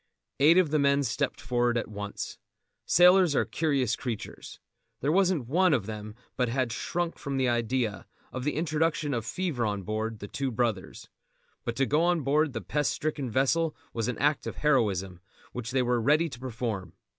Eight of the men stepped forward at once. Sailors are curious creatures. There wasn't one of them but had shrunk from the idea, of the introduction of fever on board The Two Brothers; but to go on board the pest stricken vessel was an act of heroism which they were ready to perform.